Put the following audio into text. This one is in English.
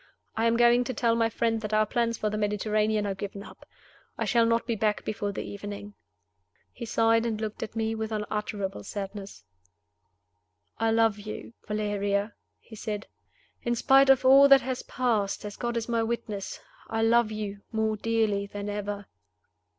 I am going to tell my friend that our plans for the Mediterranean are given up. I shall not be back before the evening." He sighed, and looked at me with unutterable sadness. "I love you, Valeria," he said. "In spite of all that has passed, as God is my witness, I love you more dearly than ever."